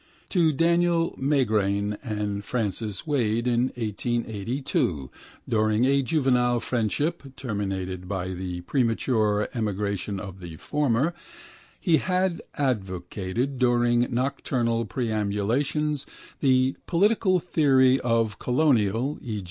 To Daniel Magrane and Francis Wade in 1882 during a juvenile friendship (terminated by the premature emigration of the former) he had advocated during nocturnal perambulations the political theory of colonial (e.